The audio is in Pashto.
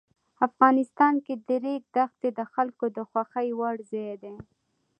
افغانستان کې د ریګ دښتې د خلکو د خوښې وړ ځای دی.